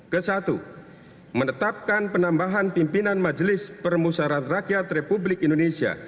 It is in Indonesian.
ke satu menetapkan penambahan pimpinan majelis permusaran rakyat republik indonesia